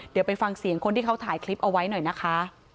เดี๋ยวไปฟังเสียงคนที่เขาถ่ายคลิปเอาไว้หน่อยนะคะ